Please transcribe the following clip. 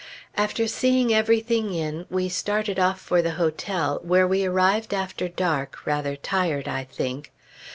After seeing everything in, we started off for the hotel, where we arrived after dark, rather tired, I think.